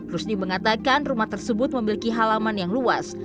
rusdi mengatakan rumah tersebut memiliki halaman yang luas